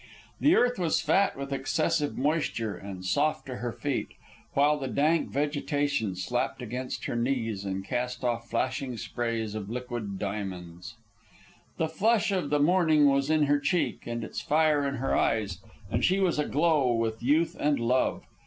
The earth was fat with excessive moisture and soft to her feet, while the dank vegetation slapped against her knees and cast off flashing sprays of liquid diamonds. The flush of the morning was in her cheek, and its fire in her eyes, and she was aglow with youth and love.